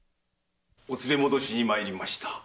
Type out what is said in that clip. お連れ戻しに参りました。